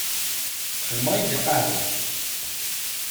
Xedmeɣ-ak-d lqahwa.